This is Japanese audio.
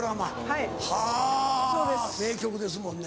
はぁ名曲ですもんね。